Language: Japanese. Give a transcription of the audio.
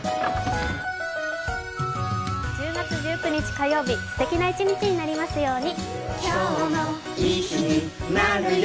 １０月１９日、火曜日、すてきな一日になりますように。